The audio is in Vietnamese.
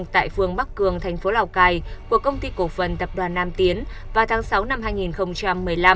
tại phường bắc cường thành phố lào cai của công ty cổ phần tập đoàn nam tiến vào tháng sáu năm hai nghìn một mươi năm